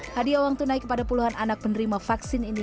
hadiah uang tunai kepada puluhan anak penerima vaksin ini